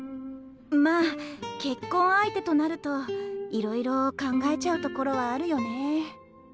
まあ結婚相手となるといろいろ考えちゃうところはあるよね。